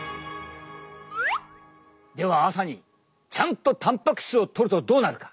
では朝にちゃんとたんぱく質をとるとどうなるか？